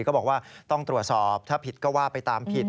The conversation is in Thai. ก็บอกว่าต้องตรวจสอบถ้าผิดก็ว่าไปตามผิด